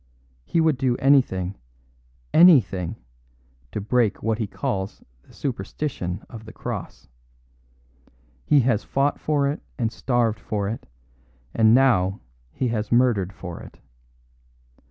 He would do anything, anything, to break what he calls the superstition of the Cross. He has fought for it and starved for it, and now he has murdered for it.